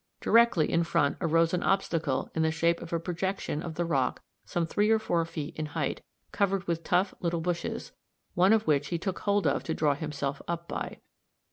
Directly in front arose an obstacle in the shape of a projection of the rock some three or four feet in hight, covered with tough little bushes, one of which he took hold of to draw himself up by.